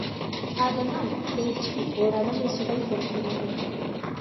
அதனால் பேச்சில் ஓரளவு சுவை பிறக்கிறது.